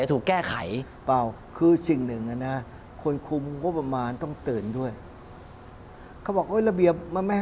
ต้องตื่นด้วยคือสิ่งหนึ่งควรควรควมงบประมาณต้องตื่นด้วย